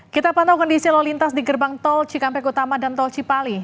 kita pantau kondisi lalu lintas di gerbang tol cikampek utama dan tol cipali